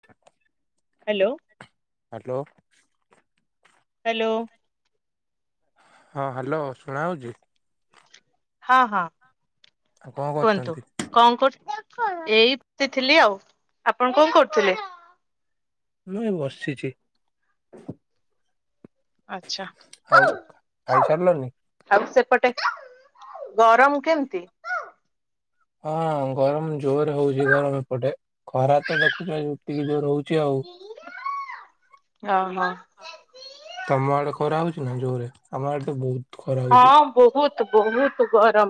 [unintelligible] Hello. Hello. Hello. ହଁ hello ଶୁଣା ଯାଉଚି। ହଁ, ହଁ। ଆଉ କଣ କୁହନ୍ତୁ କରୁଚନ୍ତି? କଣ କରୁଚନ୍ତି? ଏଇ ବସିଥିଲି ଆଉ। ଆପଣ କଣ କରୁଥିଲେ? ମୁଁ ଏ ବସିଚି। ଆଛା। ଆଉ ଖାଇସାରିଲନି ଆଉ ସେପଟେ ଗରମ କେମିତି? ହଁ ଗରମ ଜୋର ହଉଚି ଗରମ ଏପଟେ, ଖରା ତ ଦେଖୁଚ, ଯୋଉ ଯେତିକି ଯୋର ହଉଚି ଆଉ। ଓହୋ। ତମ ଆଡେ ଖରା ହଉଚି ନା ଜୋରରେ? ଆମ ଆଡେ ତ ବହୁତ। ଖରା ହଉଛି ହଁ ବହୁତ୍ ବହୁତ୍ ଗରମ।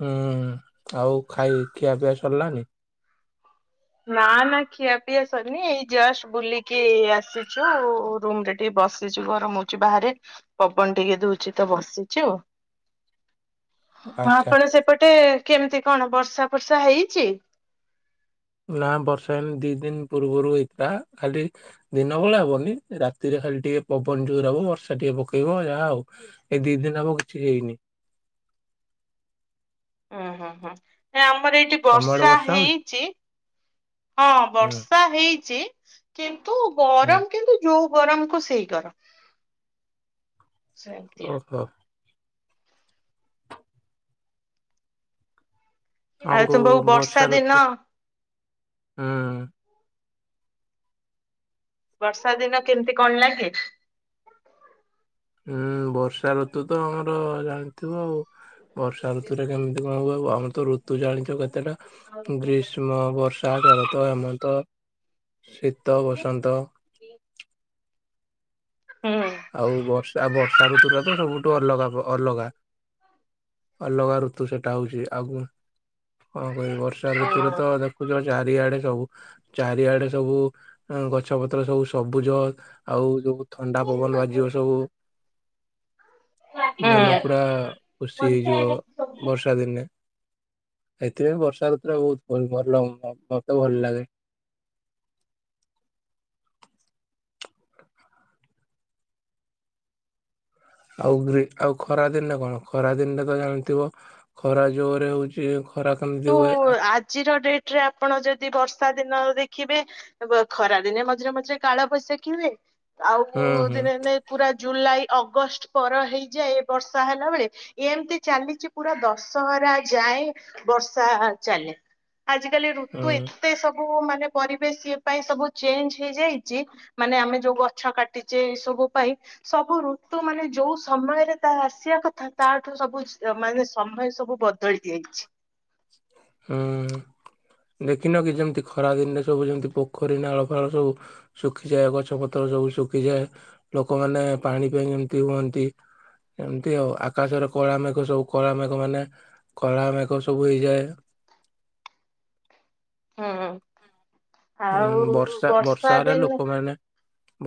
ହୁଁ ଆଉ ଖାଇ ଖିଆ ପିଆ ସରିଲାଣି? ନା, ନା ଖିଆ ପିଆ ସରିନି। ଏଇ ଜଷ୍ଟ ବୁଲିକି ଆସିଚୁ ରୁମରେ। ଏ ବସିଚୁ ଗରମ ହଉଚି ବାହାରେ। ପବନ ଟିକେ ଦଉଚି ତ ବସିଚୁ। [unintelligible] ହଁ ଆଚ୍ଛା ଆପଣ ସେପଟେ କେମିତି କଣ, ବର୍ଷା ଫର୍ଷା ହେଇଚି? ନା ବର୍ଷା ହେଇନି ଦିଇ ଦିନି ପୂର୍ବରୁ ହେଇଥିଲା। ଖାଲି ଦିନ ବଳା ହବନି ରାତିରେ ଖାଲି ଟିକେ ପବନ ଜୋର ହବ। ବର୍ଷା ଟିକେ ପକେଇବ ଯାହା ଆଉ। ଏଇ ଦି ଦିନ ହବ କିଛି ହେଇନି। ହୁଁ ହୁଁ ହୁଁ ନାଇ ଆମର ଏଇଠି ତମ ଆଡେ ବର୍ଷା ହଉଛି ହେଇଚି, ହଁ ହୁଁ ବର୍ଷା ହଇଚି, କିନ୍ତୁ ହୁଁ ଗରମ କିନ୍ତୁ ଯୋଉ ଗରମ କୁ ସେଇ ଗରମ, ସେମ୍ ତି ଆଉ। ହୋ ଆଉ ଆମକୁ ତୁମକୁ ବର୍ଷା ଦିନ ଋତୁ। ହୁଁ। ବର୍ଷା ଦିନ କେମିତି କଣ ଲାଗେ? ଉଁ ବର୍ଷା ଋତୁ ତ ଆମର ଜାଣିଥିବ ଆଉ। ବର୍ଷା ଋତୁରେ କେମିତି କଣ ହୁଏ, ଆମର ତ ଋତୁ ଜାଣିଚ, କେତେଟା? ଗ୍ରୀଷ୍ମ, ବର୍ଷା, ଶରତ, ହେମନ୍ତ, ଶୀତ, ବସନ୍ତ। ହୁଁ। ଆଉ ବର୍ଷା ବର୍ଷା ଋତୁୁର ତ ସବୁଠୁ ଅଲଗା, ଅଲଗା। ଅଲଗା ଋତୁ ସେଟା ହଉଚି, ଆଉ କଣ କହିବି ବର୍ଷା ଋତୁରେ ତ ପୁରା ଚାରିଆଡେ ସବୁ ଚାରିଆଡେ ସବୁ ଗଛ ପତ୍ର ସବୁ ସବୁଜ ଆଉ ଯୋଉ ଥ ପବନ ବାଜିବ ସବୁ। ହୁଁ ମନ ହୁଁ। ପୁରା ଖୁସି ହେଇଯିବ ବର୍ଷା ଦିନେ। ଏଥିରେ ବି ବର୍ଷା ଋତୁୁର ବହୁତ ଭଲ ମତେ ଭଲ ଲାଗେ। ଆଉ ଗ୍ରି ଆଉ ଖରା ଦିନରେ କଣ? ଖରା ଦିନରେ ବି ତ ଜାଣିଥିବ ଖରା ଜୋରେ ହଉଚି। ଖରା ତ [unintelligible] ହୁଏ। କିନ୍ତୁ ଆ ଆଜିର ଡେଟ ରେ ଆପଣ ଯଦି ବର୍ଷା ଦିନ ଦେଖିବେ ବ ଖରା ଦିନେ ମଝିରେ ମଝିରେ କାଳ ବଇଶାଖି ହୁଏ ଆଉ ହୁଁ ହୁଁ ଦିନେ ଦିନେ ପୁରା ଜୁଲାଇ ଅଗଷ୍ଟ ପର ହେଇଯାଏ ବର୍ଷା ହେଲା ବେଳେ। ଏମତି ଚାଲିଚି ପୁରା ଦଶହରା ଯାଏ ବର୍ଷା ଚାଲେ ଆଜିକାଲି ଋତୁ ହୁଁ ଏତ ତେ ସବୁ ମାନେ ପରିବେଶ ଇଏ ପାଇଁ ସବୁ ଚେଞ୍ଜ ହେଇଯାଇଚି ମାନେ ଆମେ ଯୋଉ ଗଛ କାଟିଚେ ଏଇ ସବୁ ପାଇଁ ସବୁ ଋତୁ ମାନେ ଯୋଉ ସମୟରେ ତା ଆସିବା କଥା ତାଠୁ ସବୁ ମାନେ ସମୟ ସବୁ ବଦ ଦଳି ଯାଇଛି। ହୁଁ ଦେଖିନ କି ଯେମତି ଖରା ଦିନରେ ସବୁ ଯେମିତି ପୋଖରୀ ନାଳ ଫାଳ ସବୁ ଶୁଖିଯାଏ ଗଛ ପତ୍ର ସବୁ ଶୁଖିଯାଏ। ଲୋକମାନେ ପାଣି ପାଇଁ କେମିତି ହୁଅନ୍ତି। ଏମିତି ଆଉ ଆକାଶରେ କଳାମେଘ ସବୁ କଳାମେଘ ମାନେ କଳା ମେଘ ସବୁ ହେଇଯାଏ। ହୁଁ। ହୁଁ ଆଉ ବର୍ଷା ବର୍ଷାରେ ଦିନେ ଲୋକମାନେ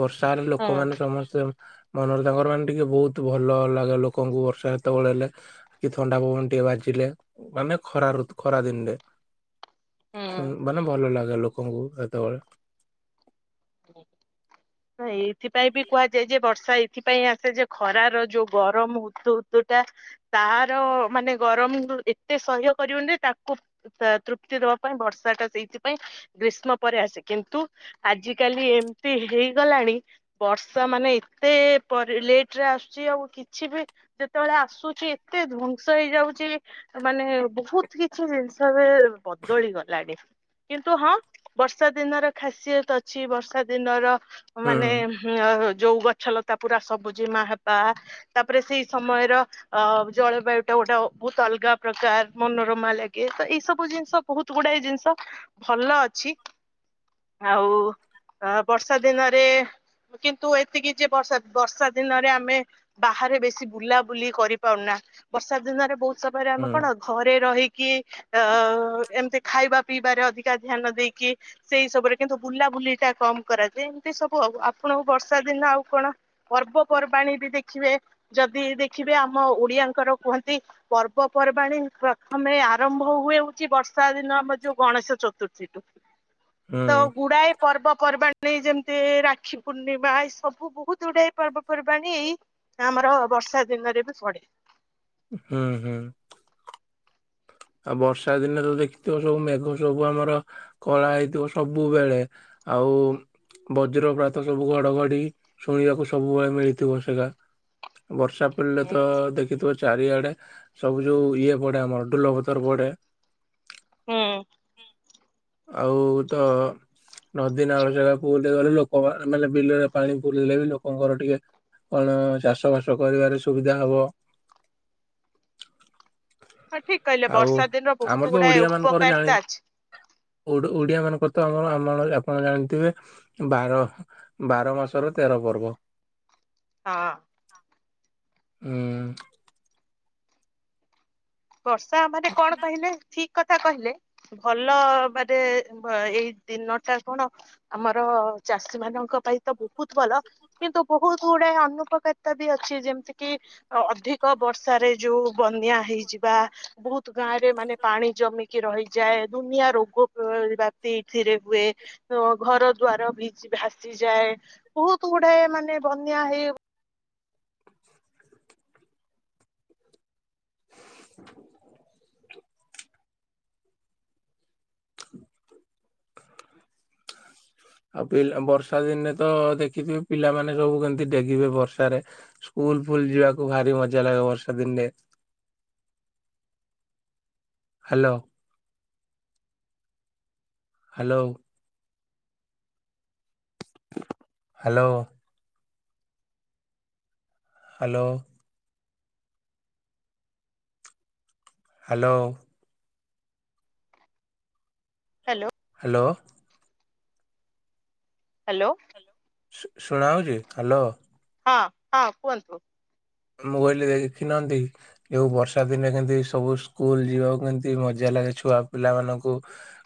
ବର୍ଷାରେ ହୁଁ ଲୋକମାନେ ସମସ୍ତେ ମନରେ ତାଙ୍କର ମାନେ ଟିକେ ବହୁତ ଭଲ ଲାଗେ ଲୋକଙ୍କୁ ବର୍ଷା ଯେତେବେଳେ ହେଲେ। କି ଥଣ୍ଡା ପବନ ଟିକେ ବାଜିଲେ। ମାନେ ଖରା ଋତୁ ଖରା ଦିନରେ। ସୁ ହୁଁ। ମାନେ ଭଲ ଲାଗେ ଲୋକଙ୍କୁ ସେତେବେଳେ। ହଁ ଏଇଥିପାଇଁ ବି କୁହାଯାଏ ଯେ ବର୍ଷା ଏଇ ଥିପାଇଁ ଆସେ ଯେ ଖରାର ଯୋଉ ଗରମ ହୁତୁ ହୁତୁ ଟା ତାର ମାନେ ଗରମରୁ ଏତେ ସହ୍ୟ କରିବନି ଯେ ତାକୁ ତା ତୃପ୍ତି ଦବା ପାଇଁ ବର୍ଷା ଟା ସେଇଥିପାଇଁ ଗ୍ରୀଷ୍ମ ପରେ ଆସେ କିନ୍ତୁ ଆଜି କାଲି ଏମିତି ହେଇଗଲାଣି ବର୍ଷା ମାନେ ଏତେ ପରେ ଲେଟ ରେ ଆସୁଚି ଆଉ କେ କିଛି ବି ଯେତେବେଳେ ଆସୁଚି ଏତେ ଧ୍ଵଂସ ହେଇଯାଉଚି ମାନେ ବହୁତ କିଛି ଜିନିଷ ଏବେ ବଦଳି ଗଲାଣି। କିନ୍ତୁ ହଁ ବର୍ଷା ଦିନର ଖାସିୟତ ଅଛି। ବର୍ଷା ଦିନର ହୁଁ ମାନେ ଯୋଉ ଗଛ ଲତା ପୁରା ସବୁଜିମା ହବା, ତାପରେ ସେଇ ସମୟର ଅ ଜଳବାୟୁ ଟା ଗୋଟେ ବହୁତ ଅଲଗା ପ୍ରକାର ମନୋରମା ଲାଗେ। ତ ଏଇ ସବୁ ଜିନିଷ ବହୁତ ଗୁଡାଏ ଜିନିଷ ଭଲ ଅଛି। ଆଉ ଅ ବର୍ଷା ଦିନରେ କିନ୍ତୁ ଏତିକି ଯେ ବର୍ଷା ବର୍ଷା ଦିନରେ ଆମେ ବାହାରେ ବେଶି ବୁଲା ବୁଲି କରିପାରୁନା। ବର୍ଷା ଦିନରେ ବହୁତ ସମୟରେ ହୁଁ ଆମେ କଣ ଘରେ ରହିକି ଅ ଏମିତି ଖାଇବା ପିଇବାରେ ଅଧିକା ଧ୍ୟାନ ଦେଇକି ସେଇ ସବୁରେ କିନ୍ତୁ ବୁଲା ବୁଲି ଟା କମ କରାଯାଏ ଏମିତି ସବୁ ଆଉ। ଆପଣଙ୍କୁ ବର୍ଷା ଦିନ ଆଉ କଣ ପର୍ବପର୍ବାଣୀ ବି ଦେଖିବେ ଯଦି ଦେଖିବେ ଆମ ଓଡିଆଙ୍କର କୁହନ୍ତି ପର୍ବପର୍ବାଣିୀ ପ୍ରଥମେ ଆରମ୍ଭ ହୁଏ ହଉଚି ବର୍ଷା ଦିନ ଆମର ଯୋଉ ଗଣେଶ ଚତୁର୍ଥୀ। ତ ହୁଁ ଗୁଡ଼ାଏ ପର୍ବ ପର୍ବାଣି ଯେମିତି ରାକ୍ଷୀ ପୂର୍ଣ୍ଣିମା ଏଇ ସବୁ ବହୁତ ଗୁଡାଏ ପର୍ବପର୍ବାଣି ଏଇ ଆମର ବର୍ଷା ଦିନରେ ବି ପଡେ। ହୁଁ ହୁଁ। ଆଉ ବର୍ଷା ଦିନେ ତ ଦେଖିଥିବ ସବୁ ମେଘ ସବୁ ଆମର କଳା ହେଇଥିବ ସବୁବେଳେ। ଆଉ ବଜ୍ର ପ୍ରାତ ସବୁ ଘଡଘଡି ଶୁଣିବାକୁ ସବୁବେଳେ ମିଳିଥିବ ସେଟା। ବର୍ଷା। ପୁଲେ ହୁଁ। ତ ଦେଖିଥିବ ଚାରିଆଡେ ସବୁ ଯୋଉ ଇଏ ପଡେ ଆମର ଡୋଲ ଭତର୍ ପଡେ। ହୁଁ। ଆଉ ତ ନଦୀ ନାଳ ଜାଗାକୁ ବୁଲି ଗଲେ ଲୋକ ମା ମାନେ ବିଲେରେ ପାଣି ବୁଲିଲେ ବି ଲୋକଙ୍କର ଟିକେ କଣ ଚାଷବାସ କରିବାରେ ସୁବିଧା ହବ? ହଁ ଠିକ କହିଲେ ଆଉ ବର୍ଷା ଦିନର ଆମର ବହୁତ ତ ଗୁଡାଏ ଓଡିଆ ମାନଙ୍କର ଜାଣି ଉପକାରିତା ଅଛି ଓଡ ଓଡିଆ ମାନଙ୍କର ତ ଆମର ଆମଳ ଆପଣ ଜାଣିଥିବେ ବାର ବାର ମାସର ତେର ପର୍ବ। ହଁ। ହୁଁ। ବର୍ଷା ମାନେ କଣ କହିଲେ ଠିକ୍ କଥା କହିଲେ। ଭଲ ବାଦେ ଭ ଏହି ଦିନ ଟା କଣ? ଆମର ଚାଷୀ ମାନଙ୍କ ପାଇ ତ ବହୁତ ଭଲ। କିନ୍ତୁ ବହୁତ ଗୁଡାଏ ଅନୁପକାର୍‌ତା ବି ଅଛି ଯେମ୍‌ତି କି ଅ ଅଧିକ ବର୍ଷାରେ ଯୋଉ ବନ୍ୟା ହେଇଯି ବା ବହୁତ ଗାଁ ରେ ମାନେ ପାଣି ଜମିକି ରହିଯାଏ ଦୁନିଆ ରୋଗ ପ୍ରରିବା ତେଇଥିରେ ହୁଏ ତ ଘର ଦ୍ଵାର ଭିଜି ଭାସିଯାଏ। ବହୁତ ଗୁଡ଼ାଏ ମାନେ ବନ୍ୟା ହେଇ ଆଉ ପିଲ୍‌ବର୍ଷା ଦିନେ ତ ଦେଖିଥିବେ ପିଲାମାନେ ସବୁ କେମ୍ ତି ଡେଗିବେ ବର୍ଷାରେ। ସ୍କୁଲ ଫୁଲ ଯିଆକୁ ଭାରି ମଜା ଲାଗେ ବର୍ଷା ଦିନ୍‌ରେ hello. Hello. Hello. Hello. Hello. Hello. Hello. Hello. ଶୁଣା ଯାଉଚି ହାଲୋ। ହଁ ହଁ କୁହନ୍ତୁ। ମୋବାଇଲ୍ ରେ ଯାଇ ଦେଖି ନାହାନ୍ତି? ଯୋଉ ବର୍ଷା ଦିନେ କେମତି ସବୁ ସ୍କୁଲ ଯିବାକୁ କେମତି ମଜା ଲାଗେ ଛୁଆ ପିଲାମାନଙ୍କୁ।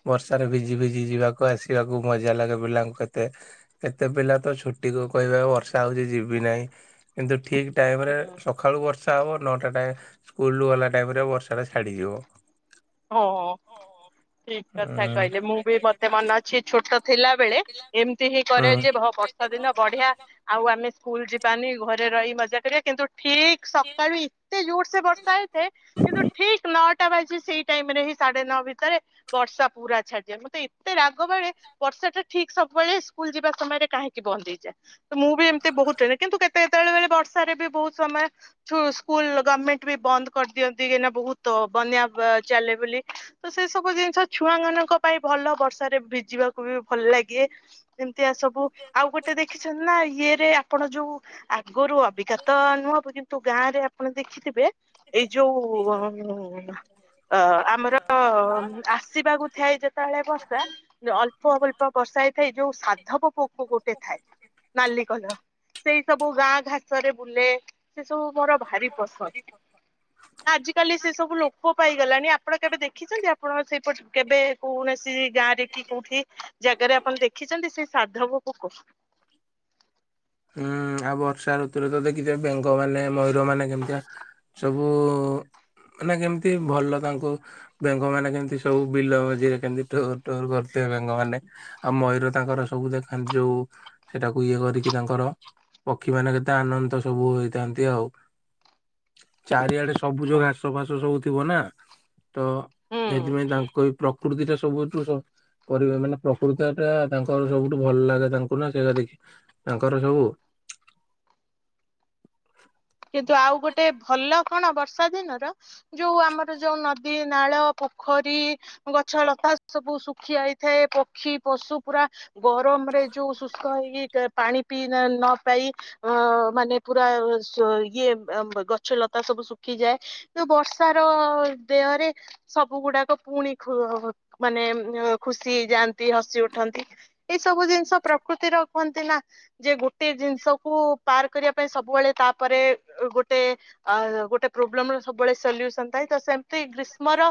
ବର୍ଷାରେ ଭିଜି ଭିଜି ଯିବାକୁ ଆସିବାକୁ ମଜା ଲାଗେ ପିଲାଙ୍କୁ କେତେ। କେତେ ପିଲା ତ ଛୁଟିକୁ କହିବେ ବର୍ଷା ହଉଛି ଯିବି ନାହିଁ କିନ୍ତୁ ଠିକ୍ ଟାଇମ୍ ରେ ସଖାଳୁ ବର୍ଷା ହବ ନଅଟା ଟା ସ୍କୁଲରୁ ଗଲା ଟାଇମ ରେ ବର୍ଷାଟା ଛାଡିଯିବ। ହଁ ଅଁ ଠିକ୍ କଥା ହୁଁ କହିଲେ ମୁଁ ବି ମତେ ମନ ଅଛି ଛୋଟ ଥିଲା ବେଳେ ଏମ୍‌ତି ହି କରେ ଯେ ଭ ବର୍ଷା ଦିନ ବଢିଆ। ଆଉ ଆମେ ସ୍କୁଲ ଯିବାନି ଘରେ ରହି ମଜା କରିଆ କିନ୍ତୁ ଠିକ୍ ସକାଳୁ ଇତେ ଜୋର ସେ ବର୍ଷା ହେଇଥାଏ କିନ୍ତୁ ଠିକ୍ ନଅଟା ବାଜି ସେଇ ଟାଇମ୍ ରେ ହି ସାଢେ ନଅ ଭିତରେ ବର୍ଷା ପୁରା ଛାଡ଼ିଯିଅ ମତେ ଏତେ ରାଗ ମାଡ଼େ। ବର୍ଷା ଟା ଠିକ୍ ସବ୍‌ବେଳେ ସ୍କୁଲ ଯିବା ସମୟରେ କାହିଁକି ବନ୍ଦ ହେଇଯାଏ? ତ ମୁଁ ବି ଏମ୍ ତି ବହୁତ ଟେଣେ କିନ୍ତୁ କେତେ କେତେବେଳେ ବର୍ଷାରେ ବି ବହୁତ ସମୟ ଠୁ ସ୍କୁଲ ଗଭ୍ ମେଣ୍ଟ ବି ବନ୍ଦ କର୍ ଦିଅନ୍ତି ଏନା ବହୁତ ବନ୍ୟା ବ ଚାଲେ ବୋଲି। ତ ସେ ସବୁ ଜିନିଷ ଛୁଆ ମାନଙ୍କ ପାଇଁ ଭଲ ବର୍ଷାରେ ଭିଜିବାକୁ ବି ଭଲ ଲାଗେ। ଏମତିଆ ସବୁ ଆଉ ଗୋଟେ ଦେଖିଛନ୍ତି ନା ଇଏରେ ଆପଣ ଯୋଉ ଆଗରୁ ଅବିକାତ ନୁହଁ ଅବୁ କିନ୍ତୁ ଗାଁ ରେ ଆପଣ ଦେଖିଥିବେ ଏଇ ଯୋଉ ଅ ହଂ ହଁ ହା ଅ ଆମର ଅ ଆସିବାକୁ ଥାଏ ଯେତବେଳେ ବର୍ଷା ଅଳ୍ପ ଅଳ୍ପ ବର୍ଷା ହେଇଥାଏ ଏ ଯୋଉ ସାଧବ ପୋକ ଗୋଟେ ଥାଏ ନାଲି କଲର୍। ସେଇ ସବୁ ଗାଁ ଘାସ ରେ ବୁଲେ ସେ ସବୁ ମୋର ଭାରି ପସନ୍ଦ। ଆଜ କାଲି ସେ ସବୁ ଲୋକ ପାଇ ଗଲାଣି ଆପଣ କେବେ ଦେଖିଛନ୍ତି ଆପଣ ସେଇପଟେ କେବେ କୌଣେସି ଗାଁ ରେ କି କୋଉଠି ଜାଗାରେ ଆପଣ ଦେଖିଚନ୍ତି ସେଇ ସାଧବ ପୋକ? ହୁଁ ଆଉ ବର୍ଷା ଋତୁରେ ତ ଦେଖିଥିବେ ବେଙ୍ଗମାନେ ମୟୂର ମାନେ କେମତିଆ ସବୁ ମାନେ କେମତି ଭଲ ତାଙ୍କୁ ବେଙ୍ଗ ମାନେ କେମିତି ସବୁ ବିଲ ମଝିରେ କେମତି ଟୋ ଟୋର କରୁଥିବେ ବେଙ୍ଗ ମାନେ ଆଉ ମୟୂର ତାଙ୍କର ସବୁ ଦେଖାନ୍ତି ଯୋଉ ସେଟାକୁ ଇଏ କରିକି ପିଲାଙ୍କର ପକ୍ଷୀମାନେ କେତେ ଆନନ୍ଦ ସବୁ ହୋଇଥାନ୍ତି ଆଉ। ଚାରିଆଡେ ସବୁଜ ଘାସ ଫାସ ସବୁ ଥିବ ନା ତ ହୁଁ। ସେଥିପାଇଁ ତାଙ୍କୁ ଏ ପ୍ର କୁର୍ଦ୍ଦିଟା ସବୁୁଠୁ ସବ୍ ପରେ ଏ ମାନେ ପ୍ରକୃତ ଟା ତାଙ୍କର ସବୁଠୁ ଭଲ ଲାଗେ ତାଙ୍କୁ ନା ସେୟା ଦେଖି ତାଙ୍କର ସବୁ। କିନ୍ତୁ ଆଉ ଗୋଟେ ଭଲ କଣ ବର୍ଷା ଦିନର? ଯୋଉ ଆମର ଯୋଉ ନଦୀ ନାଳ ପୋଖରୀ ଗଛ ଲତା ସବୁ ଶୁଖି ଆଇଥାଏ ପକ୍ଷୀ ପଶୁ ପୁରା ଗରମରେ ଯୋଉ ଶୁଷ୍କ ହେଇକି କ ପାଣି ପିଇ ନାଲ୍ ନ ପାଇ ଅ ମାନେ ପୁରା ଯୋ ଇଏ ଗଛ ଲତା ସବୁ ଶୁଖିଯାଏ ତ ବର୍ଷାର ଦେହରେ ସବୁ ଗୁଡାକ ପୁଣି ଖୁ ଉ ମାନେ ଖୁସି ଏଇ ଯାଆନ୍ତି ହସି ଉଠନ୍ତି। ଏଇ ସବୁ ଜିନିଷ ପ୍ରକୃତିର କୁହନ୍ତି ନା ଯେ ଗୋଟେ ଜିନିଷକୁ ପାର୍ କରିଆ ପାଇଁ ସବୁବଳେ ତାପରେ ଗୋଟେ ଆ ଗୋଟେ ପ୍ରୋବ୍ଲେମ ର ସବୁବେଳେ ସଲ୍ୟୁସନ ଥାଏ ତ ସେମ୍ ସେଇ ଗ୍ରୀଷ୍ମ ର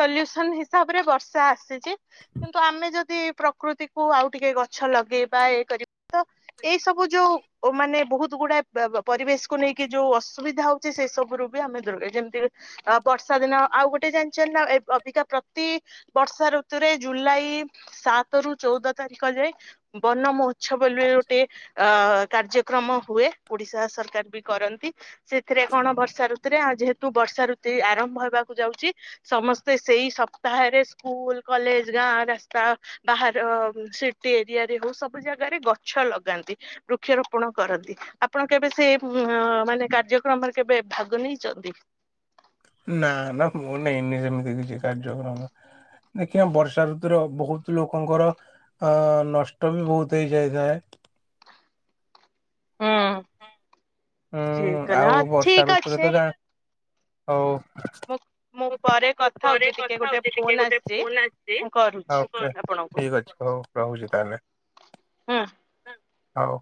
ସଲ୍ୟୁସନ ହିସାବରେ ବର୍ଷା ଆସିଛି। କିନ୍ତୁ ଆମେ ଯଦି ପ୍ରକୃତିକୁୁ ଆଉ ଟିକେ ଗଛ ଲଗେଇବା ଏ କରି ତ ଏଇ ସବୁ ଯୋଉ ଓ ମାନେ ବହୁତ୍ ଗୁଡାଏ ବେ ବ ପରିବେଶକୁ ନେଇକି ଯୋଉ ଅସୁବିଧା ହଉଚି ସେ ସବୁ ରୁ ବି ଆମେ ଦୂରରେ ଯେମତିକି ଅ ବର୍ଷା ଦିନ ଆଉ ଗୋଟେ ଜାଣିଛନ୍ତି ନା ଅବିକା ପ୍ରତି ବର୍ଷା ଋତୁରେ ଜୁଲାଇ ସାତ ରୁ ଚଉଦ ତାରିଖ ଯାଏ ବନମୋହ ଛ ବୋଲି ଗୋଟିଏ ଆ କାର୍ଯ୍ୟକ୍ରମ ହୁଏ ଓଡିଶା ସରକାର ବି କରନ୍ତି। ସେଥିରେ କଣ ବର୍ଷା ଋତୁରେ ଆ ଯେହେତୁ ବର୍ଷା ଋତୁ ଆରମ୍ଭ ହେବାକୁ ଯାଉଚି। ସମସ୍ତେ ସେଇ ସପ୍ତାହେରେ ସ୍କୁଲ କଲେଜ ଗାଁ ରାସ୍ତା ବାହାର ସିଟି ଏରିଆ ରେ ହଉ ସବୁ ଜାଗାରେ ଗଛ ଲଗାନ୍ତି। ବୃକ୍ଷରୋପଣ କରନ୍ତି। ଆପଣ କେବେ? ସେ ମାନେ କାର୍ଯ୍ୟକ୍ରମରେ କେବେ ଭାଗ ନେଇଚନ୍ତି? ନା ନା ମୁଁ ନେଇନି ସେମିତି କିଛି କାର୍ଯ୍ୟକ୍ରମ ଦେଖିଆ ବର୍ଷା ଋତୁୁର ବହୁତ ଲୋକଙ୍କର ଅ ନଷ୍ଟ ବି ବହୁତ୍ ହେଇଯାଇଥାଏ। ହୁଁ ସିଏ ଉଁ କଲେ ହଁ ଆଉ ବର୍ଷା ଠିକ୍ ଋତୁରେ ଅଛି। ତ ଯା ହଉ। ମୁଁ ପରେ ମୁଁ କଥା ପରେ ହଉଛି ଟିକେ କଥା ଗୋଟେ ହଉଚି ଟିକେ ଫୋନ ଗୋଟେ ଆସିଛି ଫୋନ ଆସିଚି, ମୁଁ କରୁଛି ଆପଣଙ୍କୁ ଠିକ ଅଛି ହଉ। ରହୁଚି ତାହେଲେ। ହୁଁ। ହଉ।